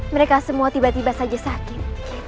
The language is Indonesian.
mereka semua tiba tiba saja sakit